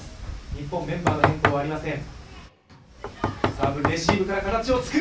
日本はメンバーの変更はありません。